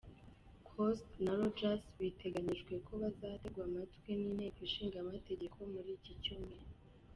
Coast na Rogers biteganyijwe ko bazategwa amatwi n’Inteko Ishinga Amategeko muri iki cyumweru.